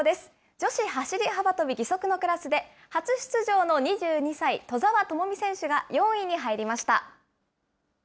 女子走り幅跳び義足のクラスで、初出場の２２歳、兎澤朋美選手が、４位に入りました。